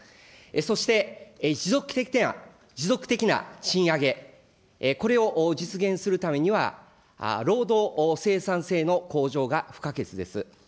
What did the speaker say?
そして、持続的な、持続的な賃上げ、これを実現するためには、労働生産性の向上が不可欠です。